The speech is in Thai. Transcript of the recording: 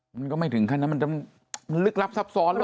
มันก็ไม่ถึงขั้นนั้นมันจะลึกลับซับซ้อน